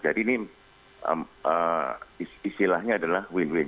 jadi ini istilahnya adalah win win